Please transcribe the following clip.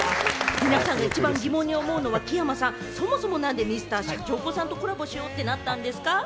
皆さんが今、一番疑問に思うのが木山さん、なんでＭｒ．シャチホコさんとコラボしようと思ったんですか？